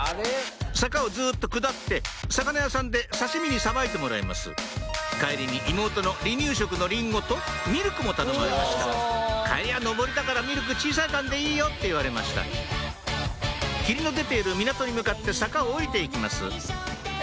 坂をずっと下って魚屋さんで刺身にさばいてもらいます帰りに妹の離乳食のリンゴとミルクも頼まれました帰りは上りだからミルク小さい缶でいいよって言われました霧の出ている港に向かって坂を下りて行きますえ